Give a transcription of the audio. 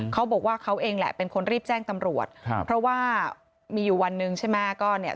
เขาบอกว่าเขาเองแหละเป็นคนรีบแจ้งตำรวจครับเพราะว่ามีอยู่วันหนึ่งใช่ไหม